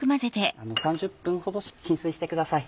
３０分ほど浸水してください。